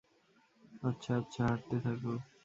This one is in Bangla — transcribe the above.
আচ্ছা, আচ্ছা, হাঁটতে থাকো।